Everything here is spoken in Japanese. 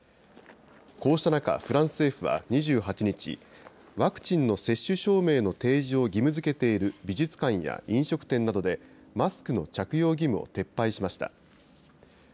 こうした中、フランス政府は２８日、ワクチンの接種証明の提示を義務づけている美術館や飲食店などで、マスクの着用義務を撤廃しました。